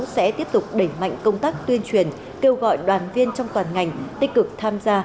sẽ tiếp tục đẩy mạnh công tác tuyên truyền kêu gọi đoàn viên trong toàn ngành tích cực tham gia